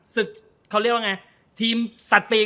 ศึกเขาเรียกว่าไงทีมสัตว์ปีก